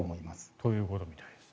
ということみたいです。